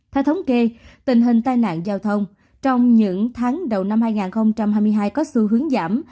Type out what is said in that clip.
theo thống kê tình hình tai nạn giao thông trong những tháng đầu năm hai nghìn hai mươi hai có xu hướng giảm